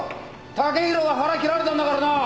剛洋は腹切られたんだからな。